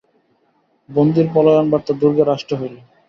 বন্দীর পলায়নবার্তা দুর্গে রাষ্ট্র হইল।